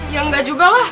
ya nggak juga lah